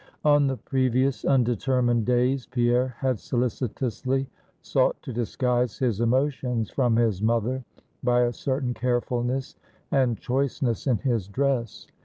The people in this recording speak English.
On the previous undetermined days, Pierre had solicitously sought to disguise his emotions from his mother, by a certain carefulness and choiceness in his dress.